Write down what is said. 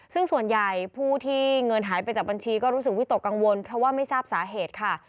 ซึ่งส่วนใหญ่ผู้ที่เงินหายไปจากบัญชีก็รู้สึกวิตกกังวลเพราะว่าไม่ทราบสาเหตุค่ะ